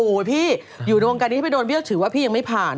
โอ้โหพี่อยู่ในวงการนี้ถ้าพี่โดนพี่ก็ถือว่าพี่ยังไม่ผ่าน